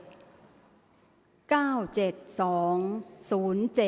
ออกรางวัลที่๖